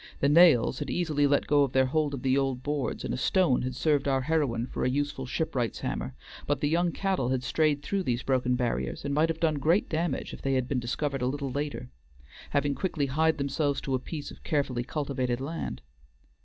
The nails had easily let go their hold of the old boards, and a stone had served our heroine for a useful shipwright's hammer, but the young cattle had strayed through these broken barriers and might have done great damage if they had been discovered a little later, having quickly hied themselves to a piece of carefully cultivated land.